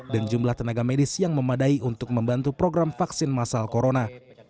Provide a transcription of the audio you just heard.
dan jumlah tenaga medis yang memadai untuk membantu program vaksin masal corona